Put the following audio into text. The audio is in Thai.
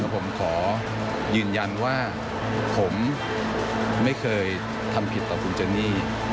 ผมขอยืนยันว่าผมไม่เคยทำผิดต่อคุณเจนี่